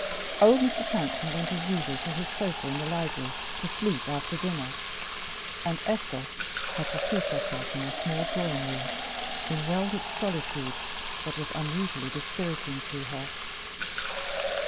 Old Mr. Transome went as usual to his sofa in the library to sleep after dinner, and Esther had to seat herself in the small drawing room, in a well lit solitude that was unusually dispiriting to her.